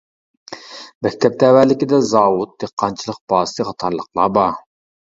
مەكتەپ تەۋەلىكىدە زاۋۇت، دېھقانچىلىق بازىسى قاتارلىقلار بار.